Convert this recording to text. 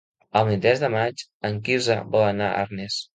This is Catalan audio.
El vint-i-tres de maig en Quirze vol anar a Arnes.